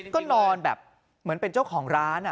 ก็นอนแบบเหมือนเป็นเจ้าของร้าน